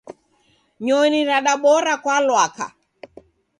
Nyonyi radabora kwa lwaka.